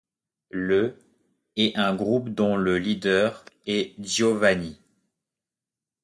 Le est un groupe dont le leader est Giovanni.